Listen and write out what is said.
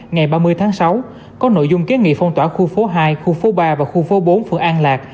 ngày ba mươi tháng sáu có nội dung kiến nghị phong tỏa khu phố hai khu phố ba và khu phố bốn phường an lạc